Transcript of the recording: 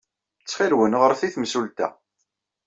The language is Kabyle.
Ttxil-wen, ɣret i temsulta.